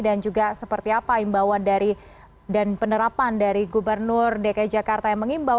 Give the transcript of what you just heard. dan juga seperti apa imbauan dan penerapan dari gubernur dki jakarta yang mengimbau